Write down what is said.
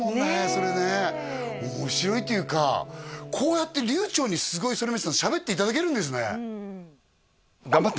それね面白いっていうかこうやって流暢にすごい反町さんしゃべっていただけるんですね